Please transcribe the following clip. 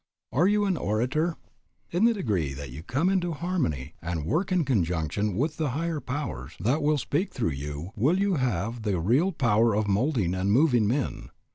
Are you an orator? In the degree that you come into harmony and work in conjunction with the higher powers that will speak through you will you have the real power of moulding and of moving men.